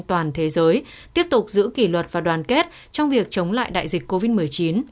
toàn thế giới tiếp tục giữ kỷ luật và đoàn kết trong việc chống lại đại dịch covid một mươi chín